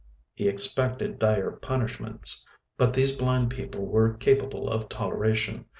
He expected dire punishments, but these blind people were capable of toleration.